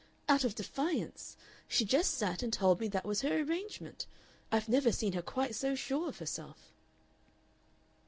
"Out of defiance. She just sat and told me that was her arrangement. I've never seen her quite so sure of herself."